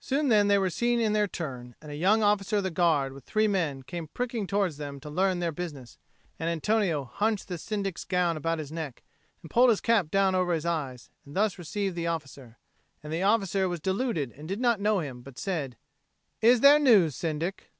Soon then they were seen in their turn; and a young officer of the Guard with three men came pricking towards them to learn their business; and Antonio hunched the Syndic's gown about his neck and pulled his cap down over his eyes, and thus received the officer. And the officer was deluded and did not know him, but said, "Is there news, Syndic?"